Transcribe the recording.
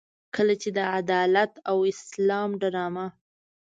کله چې د عدالت او اسلام ډرامه.